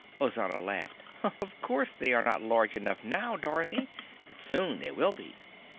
Ozana laughed. "Of course they are not large enough now, Dorothy, but soon they will be."